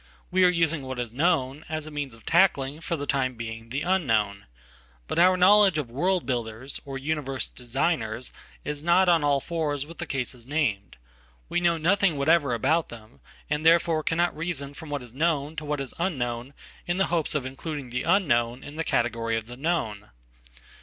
We are using what is known, as a means of tackling, for the timebeing, the unknown. But our knowledge of world builders, oruniverse designers, is not on all fours with the cases named. Weknow nothing whatever about them, and therefore cannot reason fromwhat is known to what is unknown in the hopes of including theunknown in the category of the known.